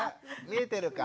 見えてるか。